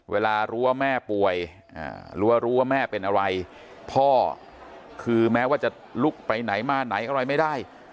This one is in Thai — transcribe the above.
รู้ว่าแม่ป่วยหรือว่ารู้ว่าแม่เป็นอะไรพ่อคือแม้ว่าจะลุกไปไหนมาไหนอะไรไม่ได้